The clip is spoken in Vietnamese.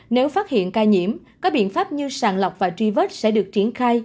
nếu phát hiện ca nhiễm có biện pháp như sàn lọc và tri vết sẽ được triển khai